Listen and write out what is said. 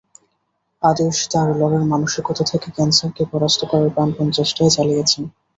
আদেশ তাঁর লড়ার মানসিকতা থেকে ক্যানসারকে পরাস্ত করার প্রাণপণ চেষ্টাই করেছিলেন।